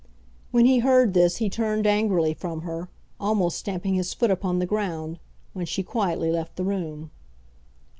When he heard this he turned angrily from her, almost stamping his foot upon the ground, when she quietly left the room.